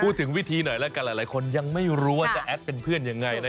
พูดถึงวิธีหน่อยแล้วกันหลายคนยังไม่รู้ว่าจะแอดเป็นเพื่อนยังไง